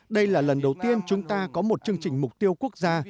đây là lần đầu tiên chúng ta có một chương trình mục tiêu quốc gia